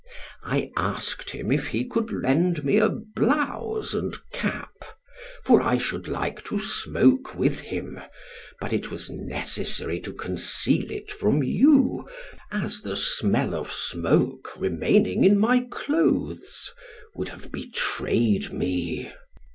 I asked him if he could lend me a blouse and cap; for I should like to smoke with him, but it was necessary to conceal it from you, as the smell of smoke, remaining in my clothes, would have betrayed me.